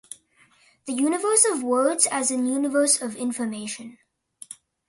The universe of words as in universe of information.